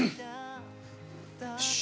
よし。